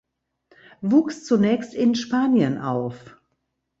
Wuchs zunächst in Spanien auf.